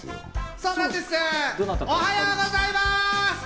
そうなんです、おはようございます！